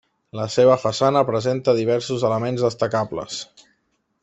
La seva façana presenta diversos elements destacables.